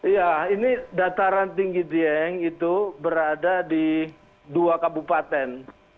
ya ini dataran tinggi dieng itu berada di dua kabupaten